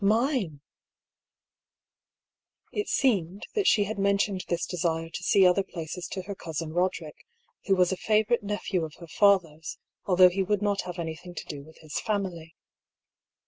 Mine ! It seemed that she had mentioned this desire to see other places to her cousin Roderick, who was a favourite nephew of her father's, although he would not have any thing to do with his family.